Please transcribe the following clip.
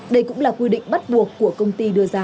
đây cũng là quy định bắt buộc của công ty đưa ra